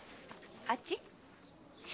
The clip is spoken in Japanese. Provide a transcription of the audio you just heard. あっち？